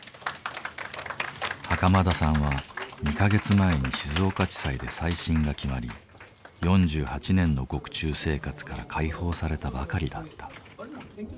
袴田さんは２か月前に静岡地裁で再審が決まり４８年の獄中生活から解放されたばかりだった。